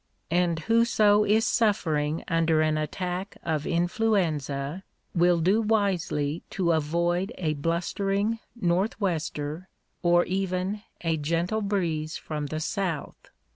And whoso is suffering under an attack of influenza, will do wisely to avoid a blustering north wester, or even a gentle breeze from the south.